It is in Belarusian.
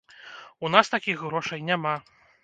У нас такіх грошай няма.